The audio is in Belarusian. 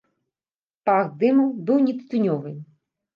Пах дыму быў не тытунёвы.